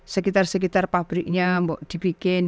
sekitar sekitar pabriknya dibikin